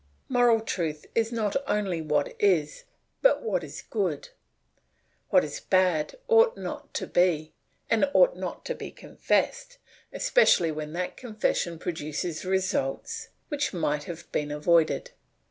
Moral truth is not only what is, but what is good; what is bad ought not to be, and ought not to be confessed, especially when that confession produces results which might have been avoided.